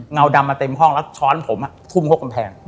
เงาดำมาเต็มข้องแล้วช้อนผมทุ่มครบแทน